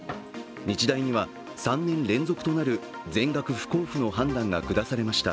日大には３年連続となる全額不交付の判断が下されました。